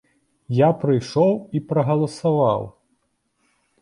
Я прыйшоў і прагаласаваў.